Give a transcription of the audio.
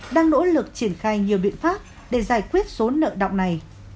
đang nỗ lực triển khai nhiều biện pháp để giải quyết số nợ động này